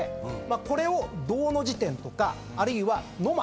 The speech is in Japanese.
これを同の字点とかあるいはノマ。